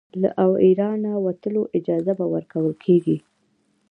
له اېرانه وتلو اجازه به ورکوله کیږي.